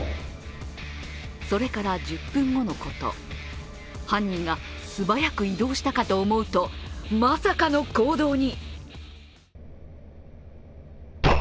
それから１０分後のこと犯人が素早く移動したかと思うとまさかの行動に。